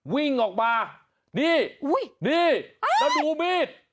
วิ่งออกมานี่นี่ระดูกมีด